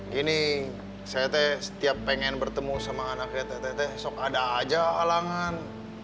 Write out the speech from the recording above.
gini saya teh setiap pengen bertemu sama anaknya teh teh teh teh esok ada aja alangan